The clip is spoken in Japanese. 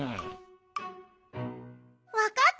わかった！